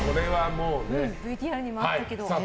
ＶＴＲにもあったけど。